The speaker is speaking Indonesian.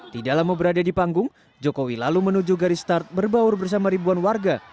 tidak lama berada di panggung jokowi lalu menuju garis start berbaur bersama ribuan warga